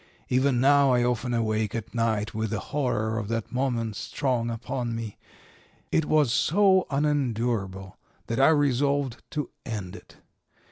Even now I often awake at night with the horror of that moment strong upon me. It was so unendurable that I resolved to end it.